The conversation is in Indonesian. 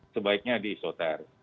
sebaiknya di esoter